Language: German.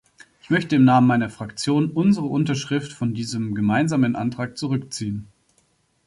Ich möchte im Namen meiner Fraktion unsere Unterschrift von diesem gemeinsamen Antrag zurückziehen.